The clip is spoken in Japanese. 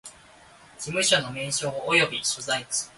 事務所の名称及び所在地